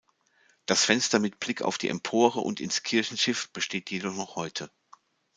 Das Fenster mit Blick auf die Empore und ins Kirchenschiff besteht jedoch noch heute.